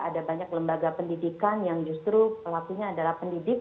ada banyak lembaga pendidikan yang justru pelakunya adalah pendidik